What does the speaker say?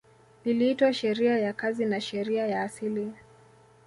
Iliitwa sheria ya kazi na sheria ya asili